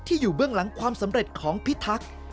อยู่เบื้องหลังความสำเร็จของพิทักษ์